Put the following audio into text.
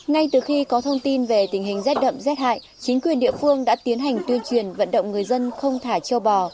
ngay từ khi có thông tin về tình hình rét đậm rét hại chính quyền địa phương đã tiến hành tuyên truyền vận động người dân không thả châu bò